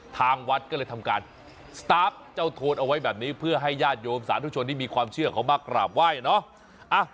ทางวัดก็เลยทำการสตาร์ฟเจ้าโทนเอาไว้แบบนี้เพื่อให้ญาติโยมสาธุชนที่มีความเชื่อเขามากราบไหว้เนาะ